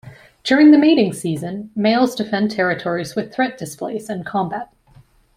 During the mating season, males defend territories with threat displays and combat.